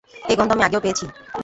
এ গন্ধ আমি আগেও পেয়েছি।